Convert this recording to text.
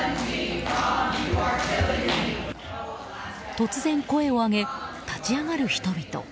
突然声を上げ、立ち上がる人々。